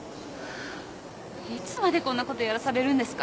いつまでこんなことやらされるんですか？